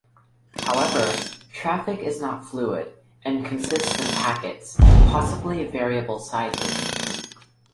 However, traffic is not fluid and consists of packets, possibly of variable sizes.